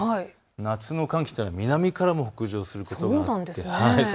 夏の寒気というのは南からも北上することがあるんです。